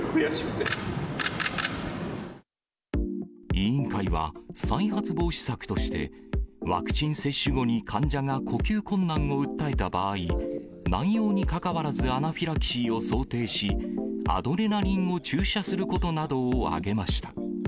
委員会は、再発防止策として、ワクチン接種後に患者が呼吸困難を訴えた場合、内容にかかわらずアナフィラキシーを想定し、アドレナリンを注射することなどを挙げました。